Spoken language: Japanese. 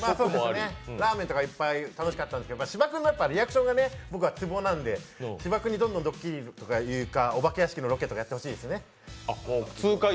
ラーメンとか楽しかったんですけど芝君のリアクションが好きなので、芝君にどんどんお化け屋敷とかドッキリのロケとかやってほしいですね。